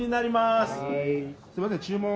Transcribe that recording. すいません注文。